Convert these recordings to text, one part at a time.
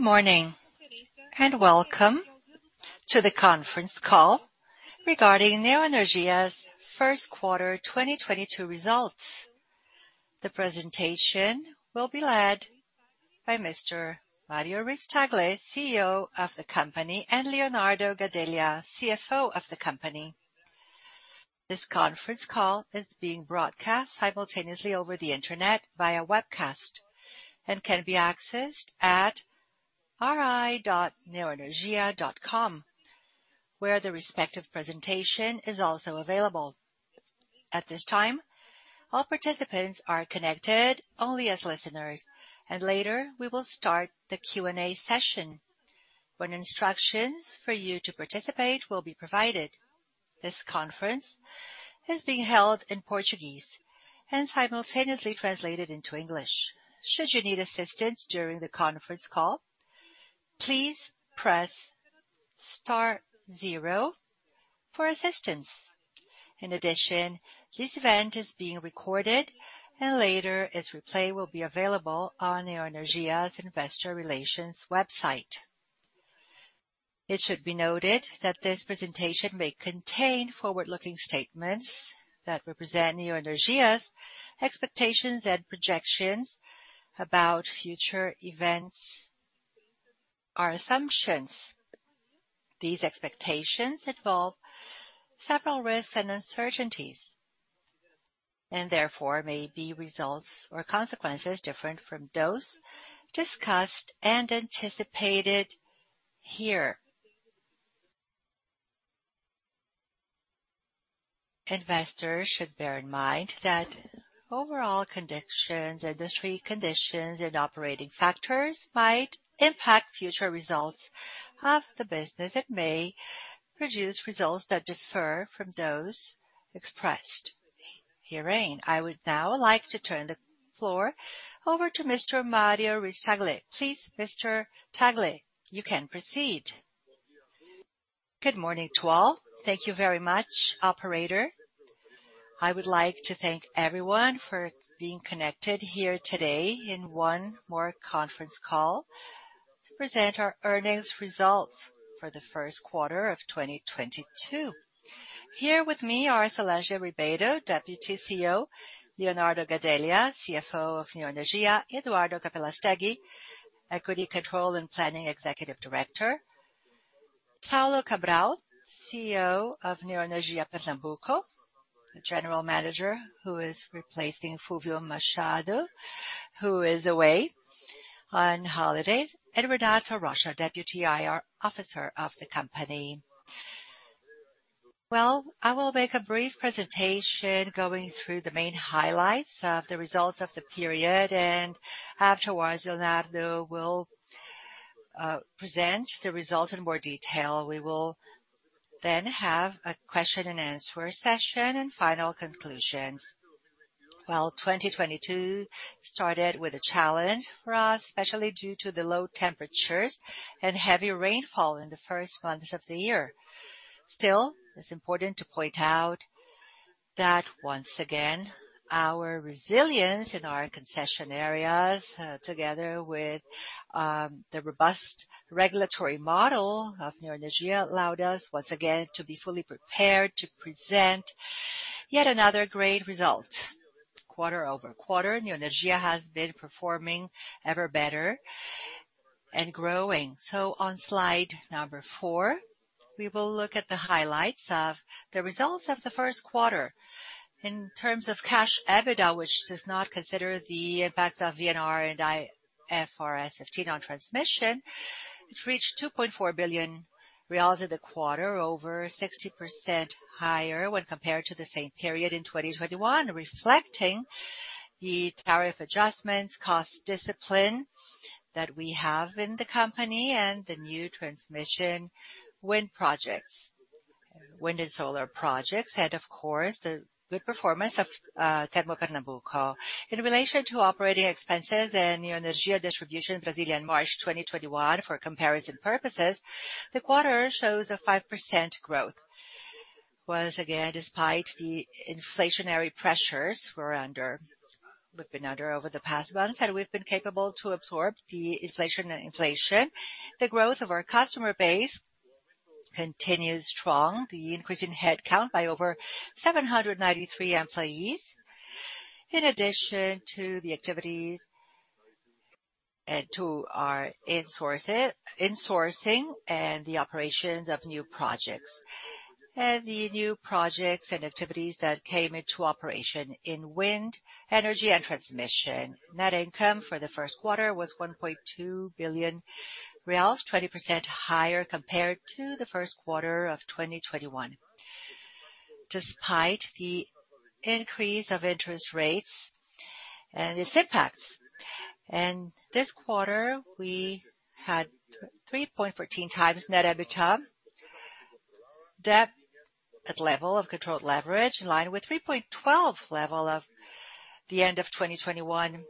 Good morning, and welcome to the conference call regarding Neoenergia's Q1 2022 results. The presentation will be led by Mr. Mario Ruiz-Tagle, CEO of the company, and Leonardo Gadelha, CFO of the company. This conference call is being broadcast simultaneously over the Internet via webcast and can be accessed at ri.neoenergia.com, where the respective presentation is also available. At this time, all participants are connected only as listeners, and later we will start the Q&A session when instructions for you to participate will be provided. This conference is being held in Portuguese and simultaneously translated into English. Should you need assistance during the conference call, please press star zero for assistance. In addition, this event is being recorded, and later its replay will be available on Neoenergia's investor relations website. It should be noted that this presentation may contain forward-looking statements that represent Neoenergia's expectations and projections about future events or assumptions. These expectations involve several risks and uncertainties, and therefore may be results or consequences different from those discussed and anticipated here. Investors should bear in mind that overall conditions, industry conditions, and operating factors might impact future results of the business and may produce results that differ from those expressed herein. I would now like to turn the floor over to Mr. Mario Ruiz-Tagle. Please, Mr. Tagle, you can proceed. Good morning to all. Thank you very much, operator. I would like to thank everyone for being connected here today in one more conference call to present our earnings results for the Q1 of 2022. Here with me are Solange Ribeiro, Deputy CEO, Leonardo Gadelha, CFO of Neoenergia, Eduardo Capelastegui, Executive Director of Asset Control and Planning, Saulo Cabral, CEO of Neoenergia Pernambuco, the General Manager who is replacing Fúlvio Machado, who is away on holidays, and Renato Rocha, Deputy IR Officer of the company. Well, I will make a brief presentation going through the main highlights of the results of the period. Afterwards, Leonardo will present the results in more detail. We will then have a question and answer session and final conclusions. Well, 2022 started with a challenge for us, especially due to the low temperatures and heavy rainfall in the first months of the year. Still, it's important to point out that once again, our resilience in our concession areas, together with the robust regulatory model of Neoenergia, allowed us once again to be fully prepared to present yet another great result. Quarter-over-quarter, Neoenergia has been performing ever better and growing. On slide number four, we will look at the highlights of the results of the Q1. In terms of cash EBITDA, which does not consider the impact of VNR and IFRS 15 on transmission, it reached 2.4 billion reais in the quarter, over 60% higher when compared to the same period in 2021, reflecting the tariff adjustments, cost discipline that we have in the company, and the new transmission wind projects, wind and solar projects, and of course, the good performance of Termopernambuco. In relation to operating expenses and Neoenergia distribution in Brazil in March 2021 for comparison purposes, the quarter shows a 5% growth. Once again, despite the inflationary pressures we've been under over the past months, and we've been capable to absorb the inflation. The growth of our customer base continues strong, the increase in headcount by over 793 employees, in addition to the activities and to our insourcing and the operations of new projects, and the new projects and activities that came into operation in wind, energy, and transmission. Net income for the Q1 was 1.2 billion reais, 20% higher compared to the Q1 of 2021, despite the increase of interest rates and its impacts. This quarter, we had 3.14 times net EBITDA, debt at level of controlled leverage in line with 3.12 level of the end of 2021.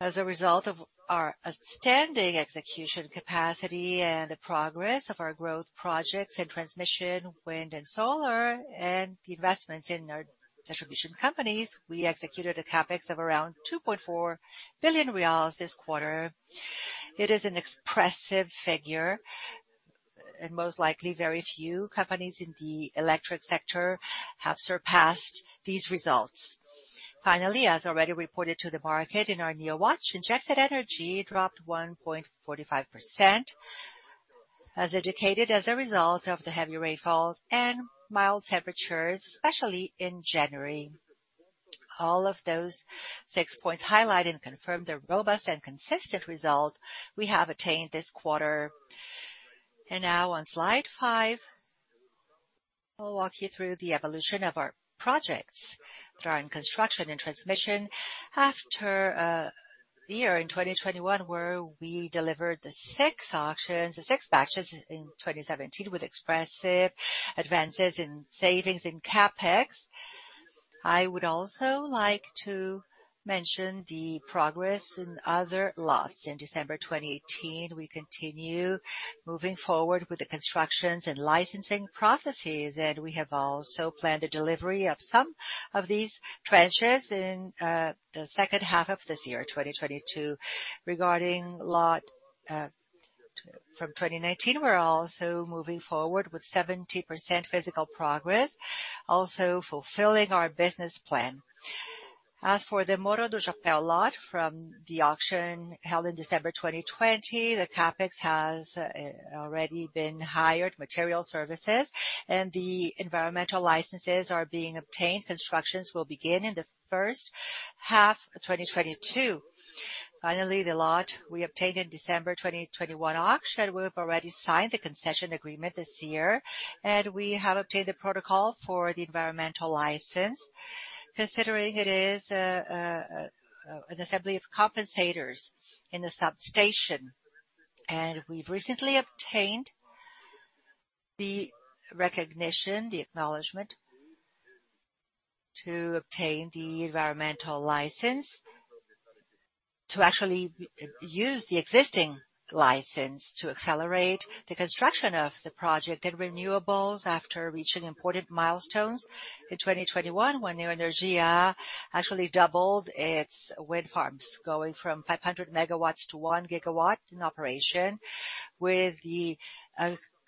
As a result of our outstanding execution capacity and the progress of our growth projects in transmission, wind and solar, and the investments in our distribution companies, we executed a CapEx of around 2.4 billion reais this quarter. It is an expressive figure. Most likely very few companies in the electric sector have surpassed these results. Finally, as already reported to the market in our news watch, injected energy dropped 1.45%. As indicated as a result of the heavy rainfalls and mild temperatures, especially in January. All of those six points highlight and confirm the robust and consistent result we have attained this quarter. Now on slide five, I'll walk you through the evolution of our projects that are in construction and transmission. After a year in 2021 where we delivered the six auctions, the six batches in 2017 with expressive advances in savings in CapEx. I would also like to mention the progress in other lots. In December 2018, we continue moving forward with the constructions and licensing processes, and we have also planned the delivery of some of these tranches in the second half of this year, 2022. Regarding lot from 2019, we're also moving forward with 70% physical progress, also fulfilling our business plan. As for the Morro do Chapéu lot from the auction held in December 2020, the CapEx has already been hired, material services, and the environmental licenses are being obtained. Constructions will begin in the first half 2022. Finally, the lot we obtained in December 2021 auction, we have already signed the concession agreement this year, and we have obtained the protocol for the environmental license. Considering it is an assembly of compensators in the substation, and we've recently obtained the recognition, the acknowledgement to obtain the environmental license to actually use the existing license to accelerate the construction of the project and renewables after reaching important milestones in 2021, when Neoenergia actually doubled its wind farms, going from 500 MW to 1 GW in operation. With the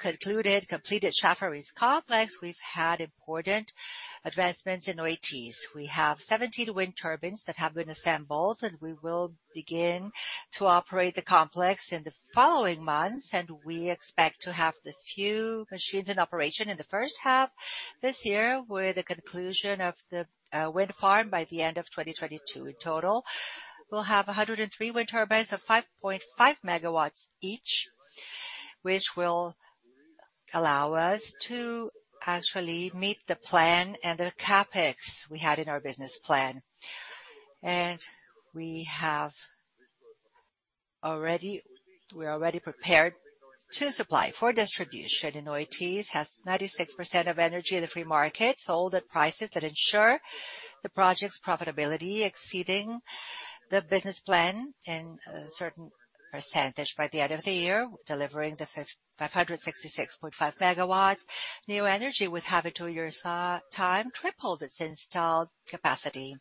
concluded, completed Chafariz complex, we've had important advancements in Oitis. We have 17 wind turbines that have been assembled, and we will begin to operate the complex in the following months, and we expect to have the few machines in operation in the first half this year, with the conclusion of the wind farm by the end of 2022. In total, we'll have 103 wind turbines of 5.5 MW each, which will allow us to actually meet the plan and the CapEx we had in our business plan. We are already prepared to supply for distribution in Oitis, has 96% of energy in the free market, sold at prices that ensure the project's profitability exceeding the business plan in a certain percentage. By the end of the year, delivering the 566.5 MW, Neoenergia, with half to two years time, tripled its installed capacity.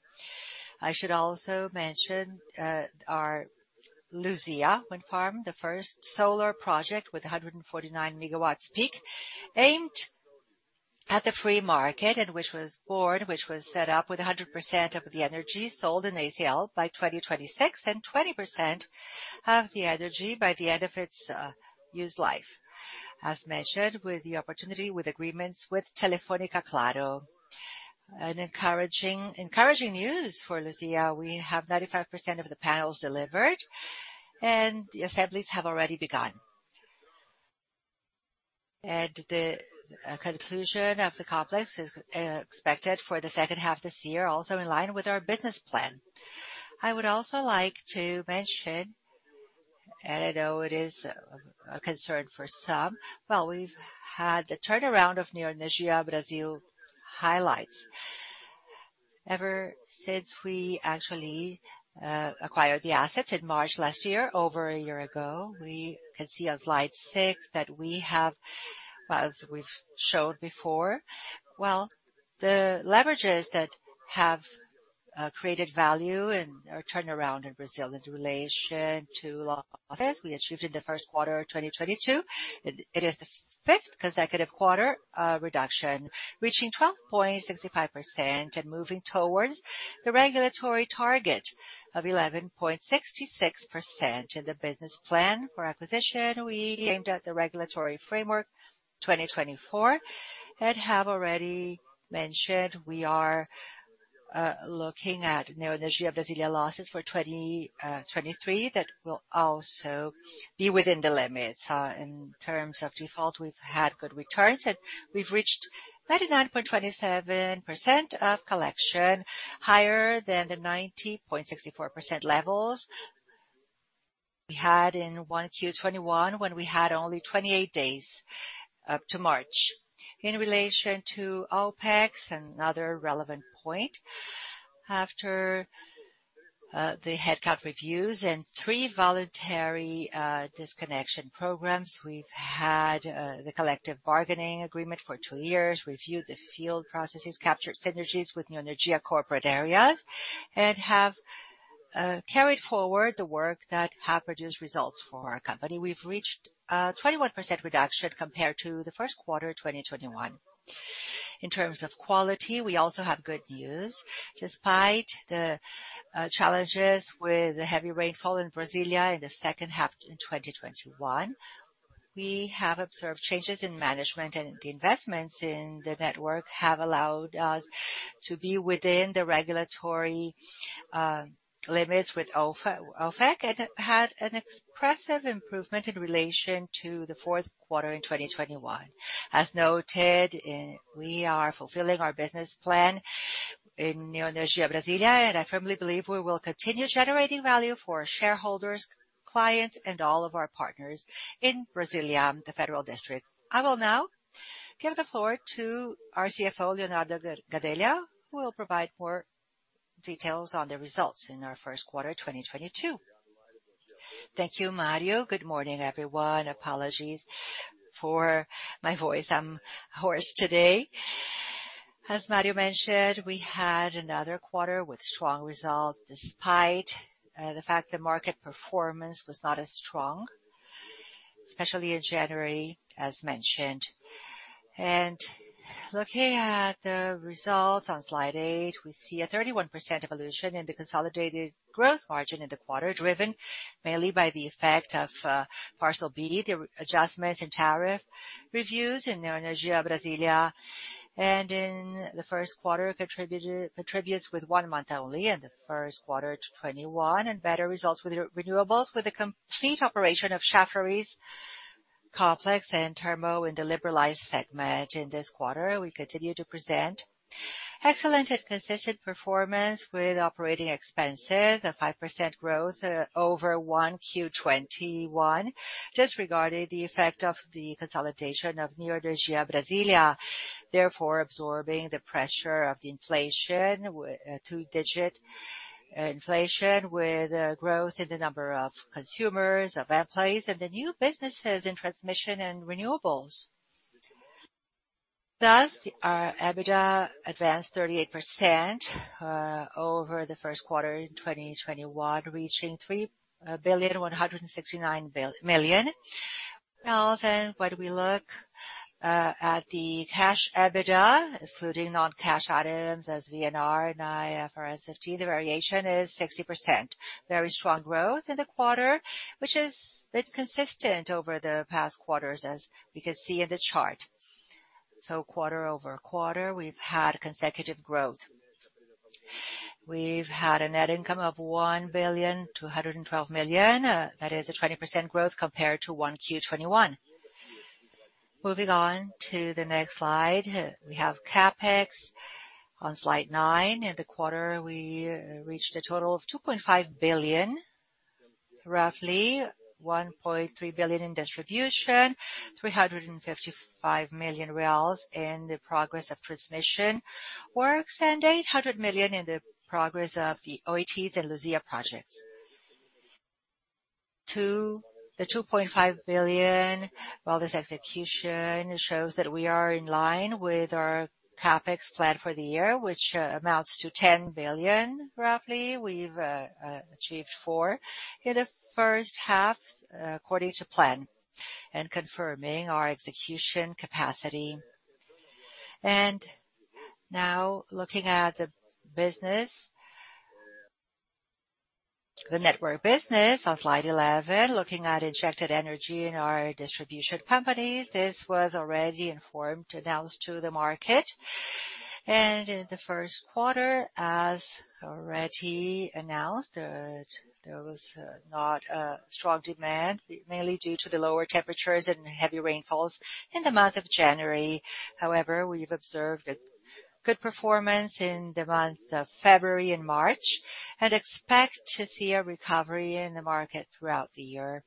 I should also mention, our Luzia wind farm, the first solar project with 149 MWp, aimed at the free market and which was set up with 100% of the energy sold in ACL by 2026, and 20% of the energy by the end of its used life. As mentioned, with the opportunity with agreements with Telefónica Claro. Encouraging news for Luzia, we have 95% of the panels delivered, and the assemblies have already begun. The conclusion of the complex is expected for the second half of this year, also in line with our business plan. I would also like to mention, and I know it is a concern for some, but we've had the turnaround of Neoenergia Brasília highlights. Ever since we actually acquired the assets in March last year, over a year ago, we can see on slide 6 that we have, as we've shown before, well, the levers that have created value and our turnaround in Brazil in relation to loss offset we achieved in the Q1 of 2022. It is the fifth consecutive quarter reduction reaching 12.65% and moving towards the regulatory target of 11.66%. In the business plan for acquisition, we aimed at the regulatory framework 2024 and have already mentioned we are looking at Neoenergia Brasília losses for 2023. That will also be within the limits in terms of default. We've had good returns, and we've reached 99.27% of collection higher than the 90.64% levels we had in 1Q 2021 when we had only 28 days to March. In relation to OpEx, another relevant point. After the headcount reviews and three voluntary disconnection programs, we've had the collective bargaining agreement for 2 years. Reviewed the field processes, captured synergies with Neoenergia corporate areas, and have carried forward the work that have produced results for our company. We've reached 21% reduction compared to the Q1, 2021. In terms of quality, we also have good news. Despite the challenges with the heavy rainfall in Brasília in the second half of 2021, we have observed changes in management and the investments in the network have allowed us to be within the regulatory limits with FEC, and had an expressive improvement in relation to the fourth quarter of 2021. As noted, we are fulfilling our business plan in Neoenergia Brasília, and I firmly believe we will continue generating value for our shareholders, clients, and all of our partners in Brasília, the Federal District. I will now give the floor to our CFO, Leonardo Gadelha, who will provide more details on the results in our Q1 of 2022. Thank you, Mario. Good morning, everyone. Apologies for my voice. I'm hoarse today. As Mario mentioned, we had another quarter with strong result, despite the fact the market performance was not as strong, especially in January, as mentioned. Looking at the results on slide 8, we see a 31% evolution in the consolidated growth margin in the quarter, driven mainly by the effect of Parcel B, the adjustments and tariff reviews in Neoenergia Brasília. In the Q1, contributes with one month only in the Q1 to 2021, and better results with renewables, with a complete operation of Chafariz Complex and Termopernambuco in the liberalized segment. In this quarter, we continue to present excellent and consistent performance with operating expenses, a 5% growth over 1Q21, disregarding the effect of the consolidation of Neoenergia Brasília, therefore absorbing the pressure of the inflation with two-digit inflation, with a growth in the number of consumers, of employees, and the new businesses in transmission and renewables. Thus, our EBITDA advanced 38% over the Q1 in 2021, reaching 3.169 billion. Now, then, when we look at the cash EBITDA, excluding non-cash items as VNR, IFRS 15, the variation is 60%. Very strong growth in the quarter, which has been consistent over the past quarters, as we can see in the chart. Quarter-over-quarter, we've had consecutive growth. We've had a net income of 1.212 billion. That is a 20% growth compared to 1Q21. Moving on to the next slide, we have CapEx on slide nine. In the quarter, we reached a total of 2.5 billion, roughly 1.3 billion in distribution, 355 million reais in the progress of transmission works, and 800 million in the progress of the Oitis and Luzia projects. To the 2.5 billion, while this execution shows that we are in line with our CapEx plan for the year, which amounts to 10 billion, roughly, we've achieved 4 billion in the first half according to plan, and confirming our execution capacity. Now looking at the business. The network business on slide eleven, looking at injected energy in our distribution companies, this was already informed, announced to the market. In the Q1, as already announced, there was not a strong demand, mainly due to the lower temperatures and heavy rainfalls in the month of January. However, we've observed a good performance in the months of February and March, and expect to see a recovery in the market throughout the year.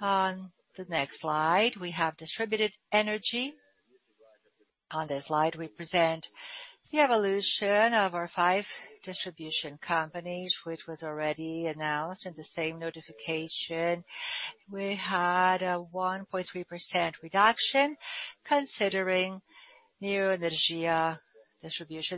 On the next slide, we have distributed energy. On this slide, we present the evolution of our five distribution companies, which was already announced in the same notification. We had a 1.3% reduction, considering Neoenergia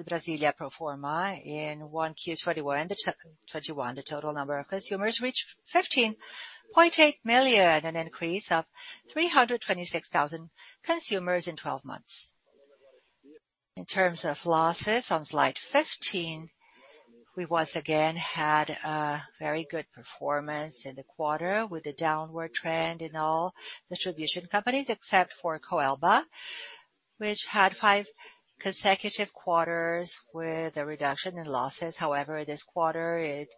Brasília pro forma in 1Q 2021, the 2021. The total number of consumers reached 15.8 million, an increase of 326,000 consumers in twelve months. In terms of losses on slide 15, we once again had a very good performance in the quarter with a downward trend in all distribution companies, except for Coelba, which had 5 consecutive quarters with a reduction in losses. However, this quarter it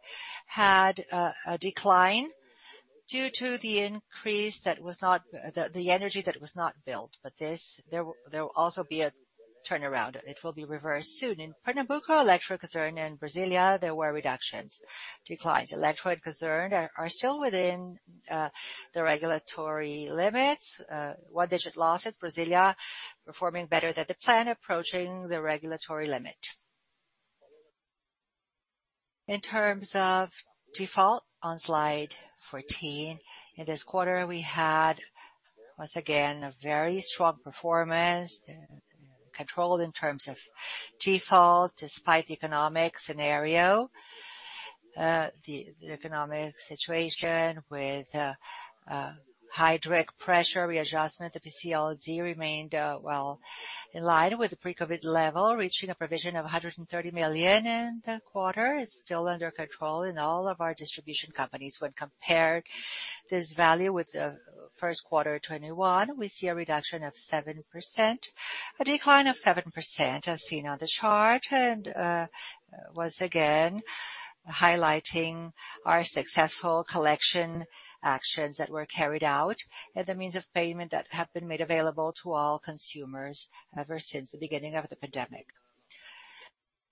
had a decline due to the energy that was not billed. There will also be a turnaround. It will be reversed soon. In Neoenergia Pernambuco and Neoenergia Brasília, there were reductions, declines. They are still within the regulatory limits. One-digit losses. Neoenergia Brasília performing better than the plan, approaching the regulatory limit. In terms of default on slide 14, in this quarter, we had once again a very strong performance in control in terms of default despite the economic scenario. The economic situation with high direct pressure readjustment, the PECLD remained well in line with the pre-COVID level, reaching a provision of 130 million in the quarter. It's still under control in all of our distribution companies. When compared this value with the Q1 2021, we see a reduction of 7%. A decline of 7% as seen on the chart, and once again, highlighting our successful collection actions that were carried out and the means of payment that have been made available to all consumers ever since the beginning of the pandemic.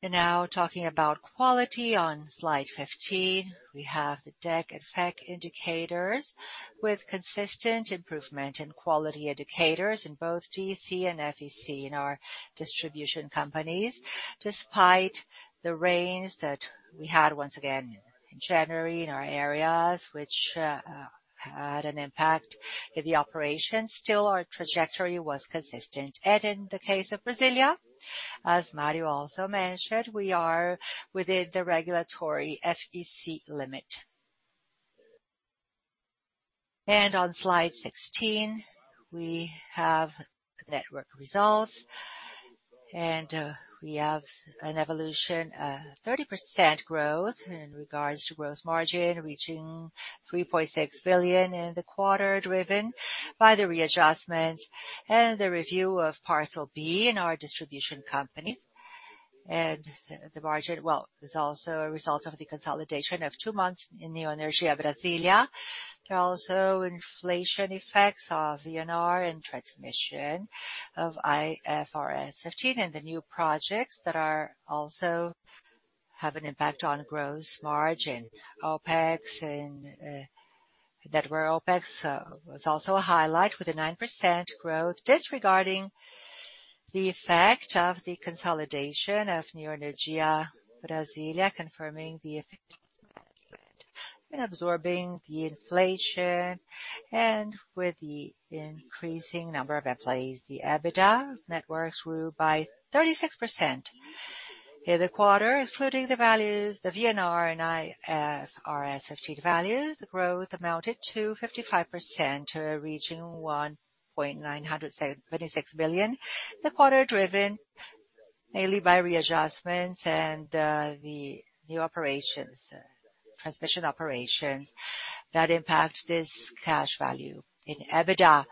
Now talking about quality on slide 15, we have the DEC and FEC indicators with consistent improvement in quality indicators in both DEC and FEC in our distribution companies. Despite the rains that we had once again in January in our areas, which had an impact in the operation, still our trajectory was consistent. In the case of Brasília, as Mario also mentioned, we are within the regulatory FEC limit. On slide 16, we have the network results, and we have an evolution, 30% growth in regards to gross margin, reaching 3.6 billion in the quarter, driven by the readjustments and the review of Parcel B in our distribution company. The margin, well, is also a result of the consolidation of two months in Neoenergia Brasília. There are also inflation effects of VNR and transmission of IFRS 15 and the new projects that are also have an impact on gross margin, OpEx. OpEx was also a highlight with a 9% growth, disregarding the effect of the consolidation of Neoenergia Brasília, confirming the effect and absorbing the inflation. With the increasing number of employees, the EBITDA networks grew by 36%. In the quarter, excluding the values, the VNR and IFRS 15 values, the growth amounted to 55%, reaching 1.926 billion. The quarter driven mainly by readjustments and the operations, transmission operations that impact this cash value in EBITDA.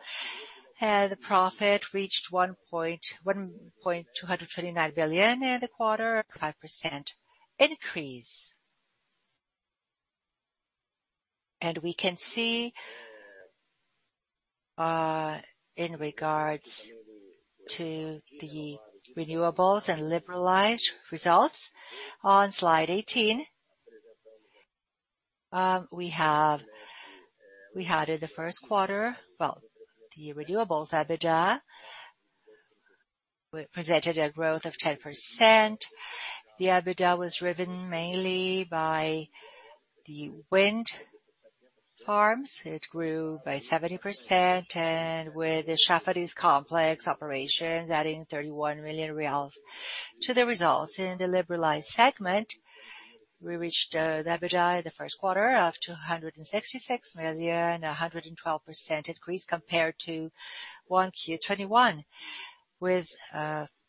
The profit reached 1.229 billion in the quarter, a 5% increase. We can see in regards to the renewables and liberalized results on slide 18. We had in the Q1, well, the renewables EBITDA pre-presented a growth of 10%. The EBITDA was driven mainly by the wind farms. It grew by 70%. With the Chafariz complex operations adding 31 million reais to the results. In the liberalized segment, we reached the EBITDA in the Q1 of 266 million, 112% increase compared to 1Q2021, with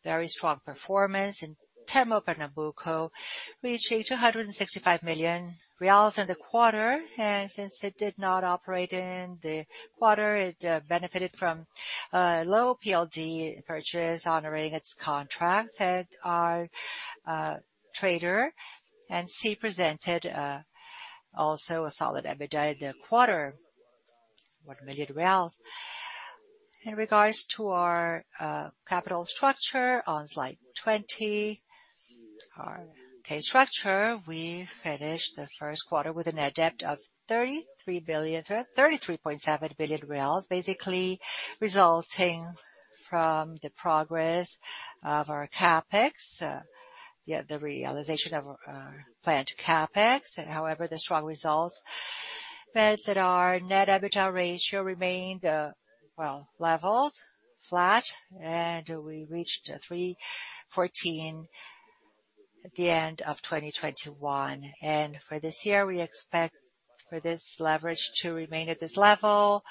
very strong performance. In Termopernambuco, reaching BRL 265 million in the quarter. Since it did not operate in the quarter, it benefited from low PLD purchase honoring its contracts. Our trader, NC, presented also a solid EBITDA in the quarter, 1 million reais. In regard to our capital structure on slide 20. Our capital structure, we finished the Q1 with a net debt of 33 billion, 33.7 billion reais, basically resulting from the progress of our CapEx, the realization of our planned CapEx. However, the strong results meant that our net EBITDA ratio remained leveled flat, and we reached 3.14 at the end of 2021. For this year, we expect for this leverage to remain at this level,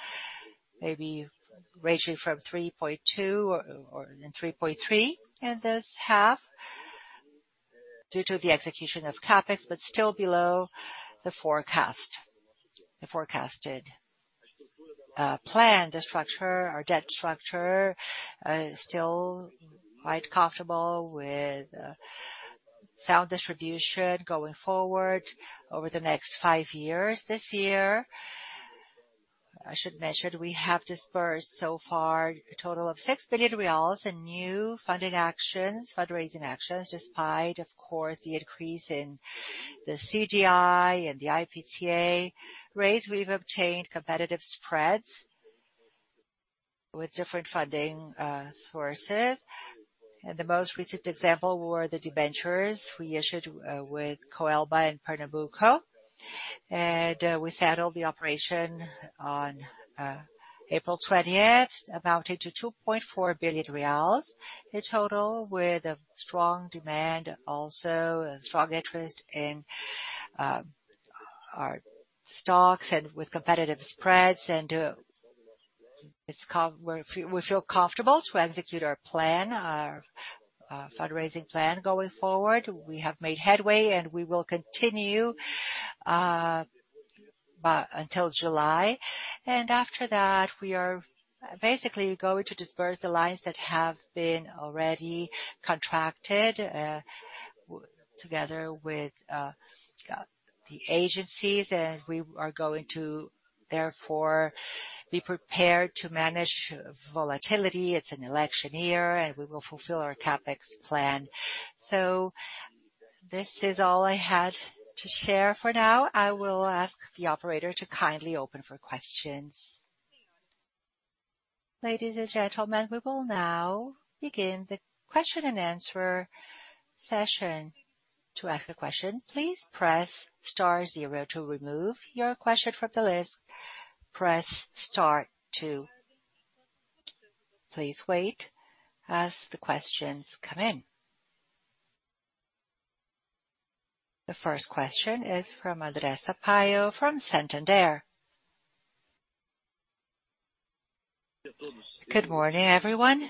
maybe ranging from 3.2 or 3.3 in this half due to the execution of CapEx, but still below the forecasted plan. The structure, our debt structure, still quite comfortable with sound distribution going forward over the next five years. This year, I should mention, we have raised so far a total of BRL 6 billion in new funding actions, fundraising actions. Despite, of course, the increase in the CDI and the IPCA rates, we've obtained competitive spreads with different funding sources. The most recent example were the debentures we issued with Neoenergia Coelba and Neoenergia Pernambuco. We settled the operation on April 20, amounting to 2.4 billion reais in total, with a strong demand also and strong interest in our stocks and with competitive spreads. We feel comfortable to execute our plan, our fundraising plan going forward. We have made headway, and we will continue until July. After that, we are basically going to disperse the lines that have been already contracted together with the agencies. We are going to therefore be prepared to manage volatility. It's an election year, and we will fulfill our CapEx plan. This is all I had to share for now. I will ask the operator to kindly open for questions. Ladies and gentlemen, we will now begin the question-and-answer session. To ask a question, please press star zero. To remove your question from the list, press star two. Please wait as the questions come in. The first question is from André Sampaio from Santander. Good morning, everyone.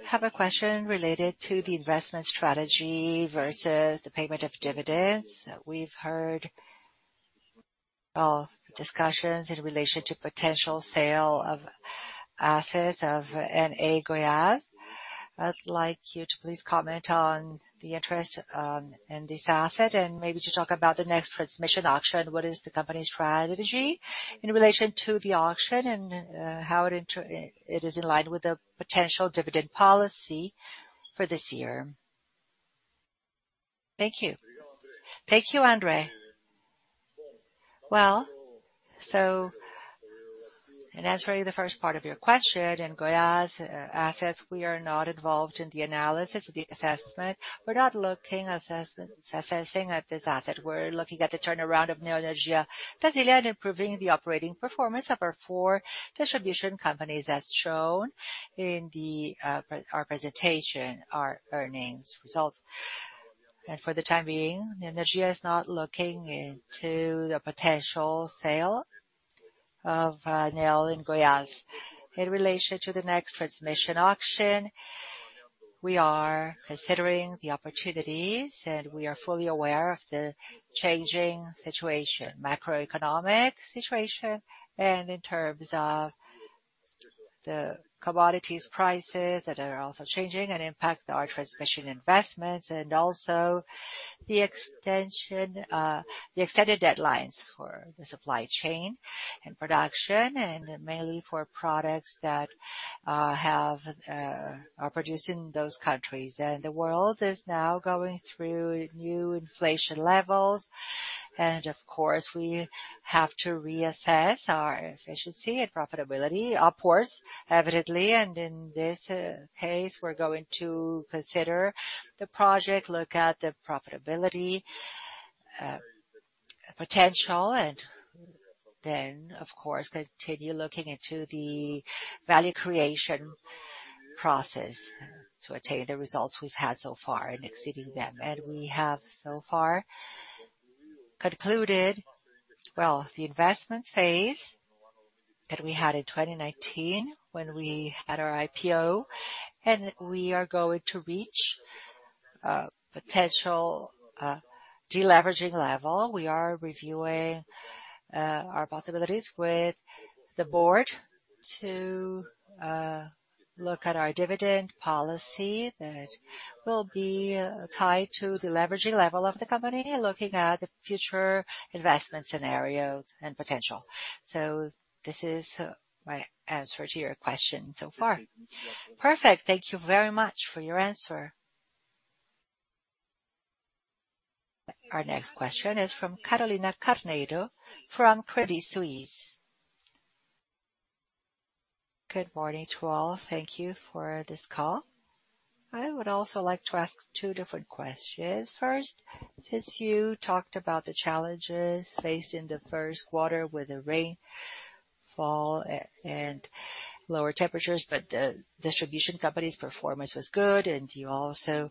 I have a question related to the investment strategy versus the payment of dividends. We've heard, well, discussions in relation to potential sale of assets of Enel Goiás. I'd like you to please comment on the interest in this asset and maybe to talk about the next transmission auction. What is the company's strategy in relation to the auction and how it is in line with the potential dividend policy for this year. Thank you. Thank you, André. In answering the first part of your question, in Goiás assets, we are not involved in the analysis, the assessment. We're not assessing this asset. We're looking at the turnaround of Neoenergia Brasília and improving the operating performance of our four distribution companies, as shown in our presentation, our earnings results. For the time being, Neoenergia is not looking into the potential sale of Enel in Goiás. In relation to the next transmission auction, we are considering the opportunities, and we are fully aware of the changing situation, macroeconomic situation, and in terms of the commodities prices that are also changing and impact our transmission investments and also the extension, the extended deadlines for the supply chain and production and mainly for products that are produced in those countries. The world is now going through new inflation levels. Of course, we have to reassess our efficiency and profitability upwards, evidently. In this case, we're going to consider the project, look at the profitability potential, and then of course continue looking into the value creation process to attain the results we've had so far and exceeding them. We have so far concluded, well, the investment phase that we had in 2019 when we had our IPO, and we are going to reach a potential deleveraging level. We are reviewing our possibilities with the board to look at our dividend policy that will be tied to the leveraging level of the company, looking at the future investment scenario and potential. This is my answer to your question so far. Perfect. Thank you very much for your answer. Our next question is from Carolina Carneiro from Credit Suisse. Good morning to all. Thank you for this call. I would also like to ask two different questions. First, since you talked about the challenges faced in the Q1 with the rainfall and lower temperatures, but the distribution company's performance was good and you also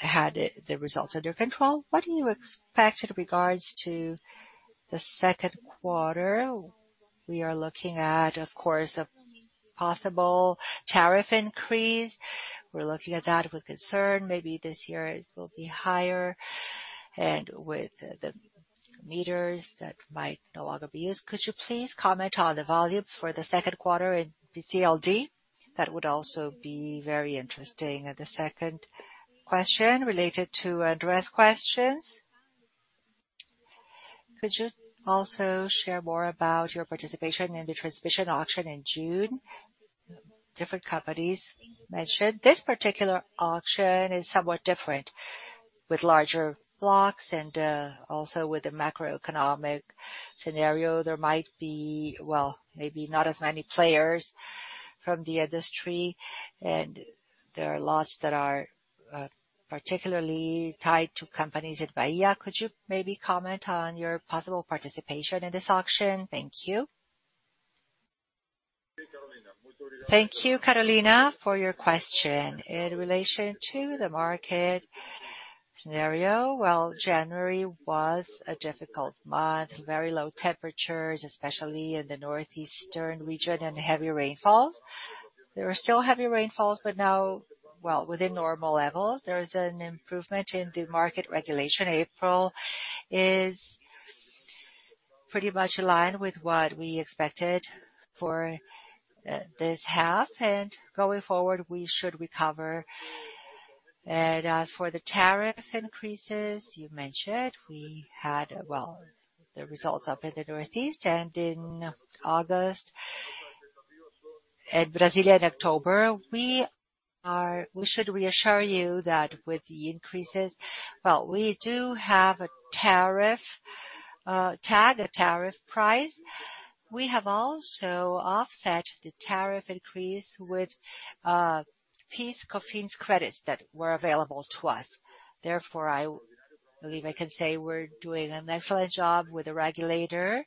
had the results under control, what do you expect in regards to the Q2? We are looking at, of course, a possible tariff increase. We're looking at that with concern. Maybe this year it will be higher. And with the meters that might no longer be used, could you please comment on the volumes for the Q2 in PCLD? That would also be very interesting. The second question related to Andre Sampaio's questions, could you also share more about your participation in the transmission auction in June? Different companies mentioned this particular auction is somewhat different with larger blocks and, also with the macroeconomic scenario. There might be, well, maybe not as many players from the industry. There are lots that are, particularly tied to companies at Bahia. Could you maybe comment on your possible participation in this auction? Thank you. Thank you, Carolina, for your question. In relation to the market scenario, well, January was a difficult month. Very low temperatures, especially in the northeastern region, and heavy rainfalls. There are still heavy rainfalls, but now, well, within normal levels. There is an improvement in the market regulation. April is pretty much in line with what we expected for, this half, and going forward, we should recover. As for the tariff increases you mentioned, we had, well, the results up in the Northeast and in August, and Brasília in October. We should reassure you that with the increases. Well, we do have a tariff, a tariff price. We have also offset the tariff increase with PIS/COFINS credits that were available to us. Therefore, I believe I can say we're doing an excellent job with the regulator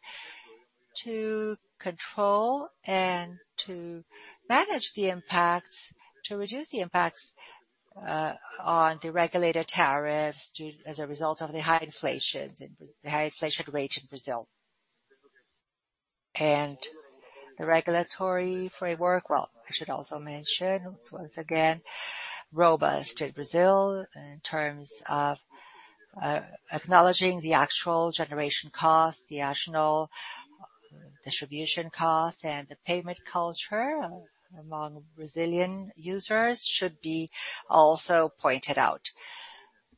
to control and to manage the impacts, to reduce the impacts, on the regulated tariffs as a result of the high inflation and the high inflation rate in Brazil. The regulatory framework, well, I should also mention once again, robust in Brazil in terms of acknowledging the actual generation costs, the national distribution costs, and the payment culture among Brazilian users should be also pointed out.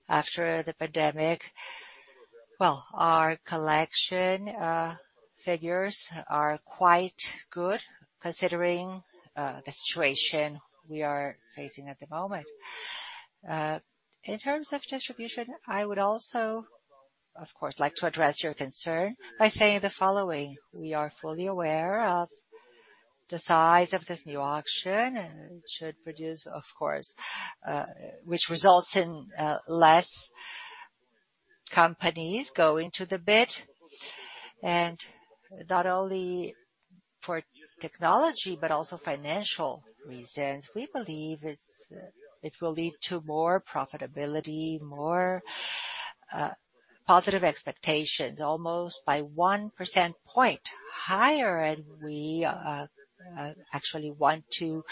After the pandemic, well, our collection figures are quite good considering the situation we are facing at the moment. In terms of distribution, I would also, of course, like to address your concern by saying the following: We are fully aware of the size of this new auction, and it should produce, of course, which results in less companies going to the bid. Not only for technology, but also financial reasons, we believe it will lead to more profitability, more positive expectations, almost by 1 percentage point higher. We actually want to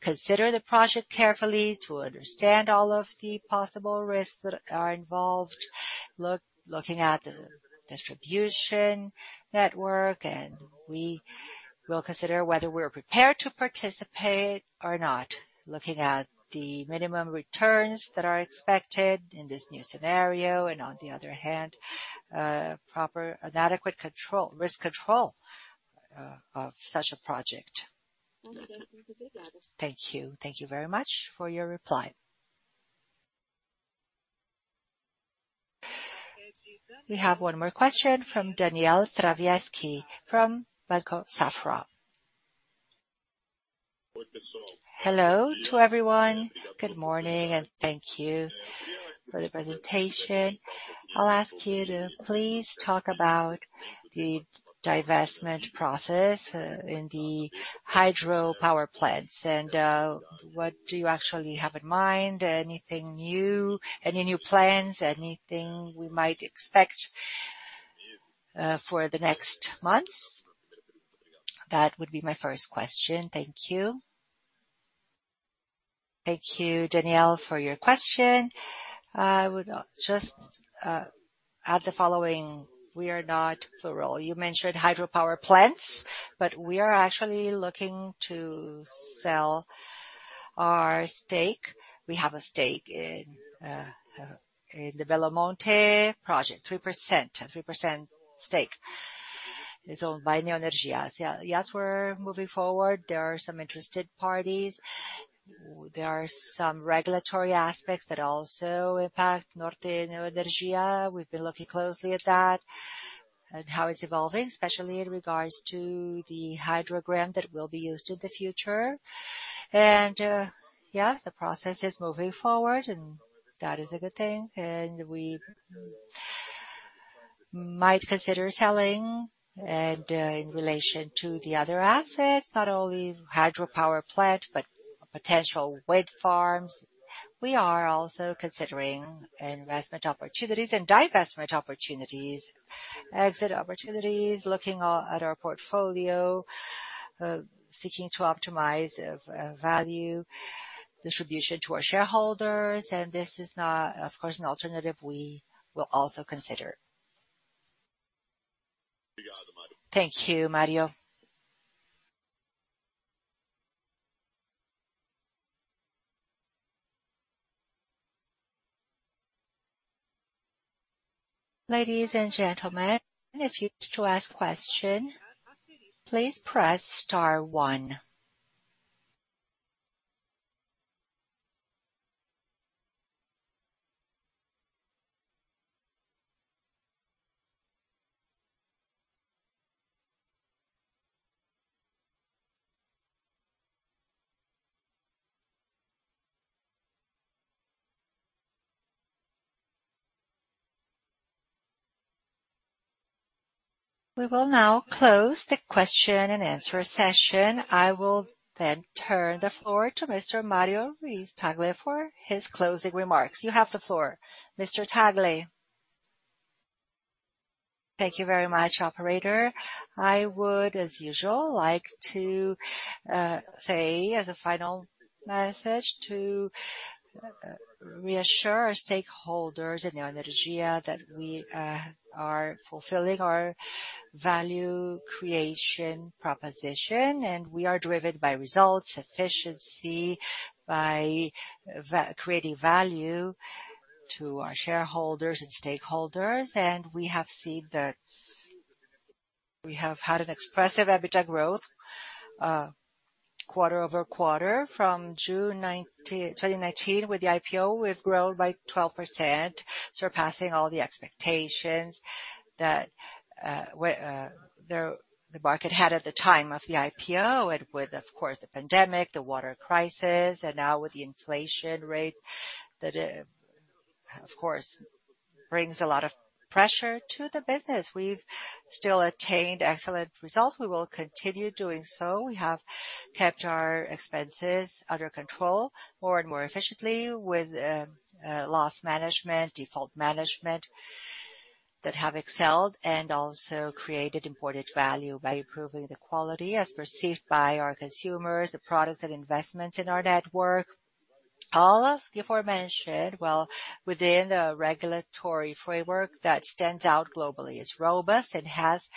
consider the project carefully to understand all of the possible risks that are involved. Looking at the distribution network, we will consider whether we're prepared to participate or not. Looking at the minimum returns that are expected in this new scenario and, on the other hand, proper and adequate control, risk control of such a project. Thank you. Thank you very much for your reply. We have one more question from Daniel Travitzky from Banco Safra. Hello to everyone. Good morning and thank you for the presentation. I'll ask you to please talk about the divestment process in the hydropower plants. What do you actually have in mind? Anything new? Any new plans? Anything we might expect for the next months? That would be my first question. Thank you. Thank you, Daniel, for your question. I would just add the following. We are not plural. You mentioned hydropower plants, but we are actually looking to sell our stake. We have a stake in the Belo Monte project, 3%. A 3% stake is owned by Neoenergia. Yes, we're moving forward. There are some interested parties. There are some regulatory aspects that also impact Norte Energia. We've been looking closely at that and how it's evolving, especially in regards to the hydrogram that will be used in the future. The process is moving forward, and that is a good thing. We might consider selling. In relation to the other assets, not only hydropower plant, but potential wind farms. We are also considering investment opportunities and divestment opportunities, exit opportunities, looking at our portfolio, seeking to optimize value distribution to our shareholders. This is not, of course, an alternative we will also consider. Thank you, Mario. Ladies and gentlemen, if you wish to ask question, please press star one. We will now close the question and answer session. I will then turn the floor to Mr. Mario Ruiz-Tagle for his closing remarks. You have the floor, Mr. Tagle. Thank you very much, operator. I would, as usual, like to say as a final message to reassure our stakeholders in Neoenergia that we are fulfilling our value creation proposition, and we are driven by results, efficiency, by creating value to our shareholders and stakeholders. We have seen that we have had an expressive EBITDA growth quarter-over-quarter from June 2019 with the IPO. We've grown by 12%, surpassing all the expectations that the market had at the time of the IPO. With, of course, the pandemic, the water crisis, and now with the inflation rate, that of course brings a lot of pressure to the business. We've still attained excellent results. We will continue doing so. We have kept our expenses under control more and more efficiently with loss management, default management that have excelled and also created important value by improving the quality as perceived by our consumers, the products and investments in our network. All of the aforementioned well within the regulatory framework that stands out globally. It's robust and has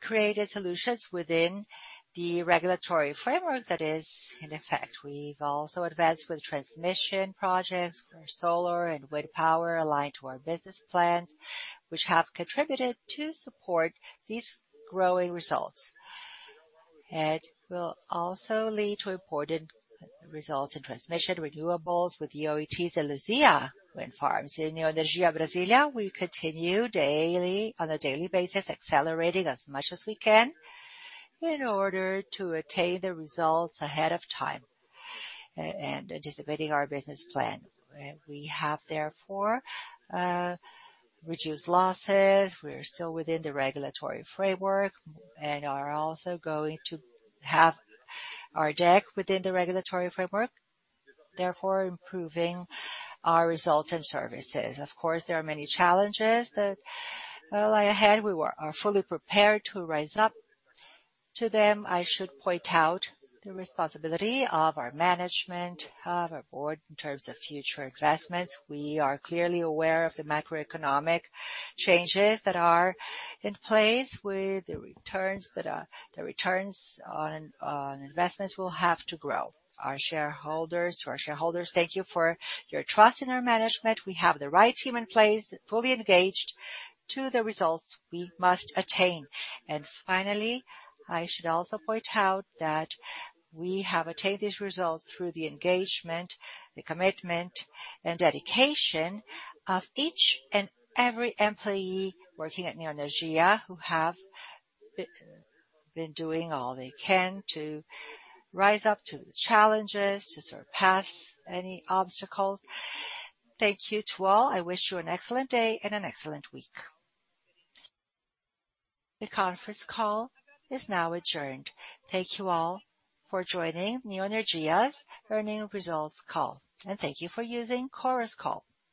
created solutions within the regulatory framework that is in effect. We've also advanced with transmission projects for solar and wind power aligned to our business plans, which have contributed to support these growing results. It will also lead to important results in transmission renewables with the Oitis and Luzia wind farms. In Neoenergia Brasília, we continue on a daily basis, accelerating as much as we can in order to attain the results ahead of time and anticipating our business plan. We have therefore reduced losses. We're still within the regulatory framework and are also going to have our deck within the regulatory framework, therefore improving our results and services. Of course, there are many challenges that lie ahead. We are fully prepared to rise up to them. I should point out the responsibility of our management, of our board in terms of future investments. We are clearly aware of the macroeconomic changes that are in place with the returns on investments will have to grow. Our shareholders. To our shareholders, thank you for your trust in our management. We have the right team in place, fully engaged to the results we must attain. Finally, I should also point out that we have attained these results through the engagement, the commitment, and dedication of each and every employee working at Neoenergia, who have been doing all they can to rise up to the challenges, to surpass any obstacles. Thank you to all. I wish you an excellent day and an excellent week. The conference call is now adjourned. Thank you all for joining Neoenergia's earnings results call, and thank you for using Chorus Call.